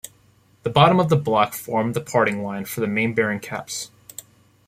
The bottom of the block formed the parting line for the main bearing caps.